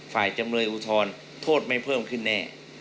จำเลยอุทธรณ์โทษไม่เพิ่มขึ้นแน่